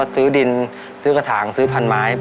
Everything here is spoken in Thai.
ซื้อดินซื้อกระถางซื้อพันไม้